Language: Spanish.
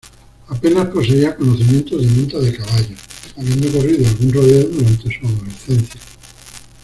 Apenas poseía conocimientos de monta de caballos, habiendo corrido algún rodeo durante su adolescencia.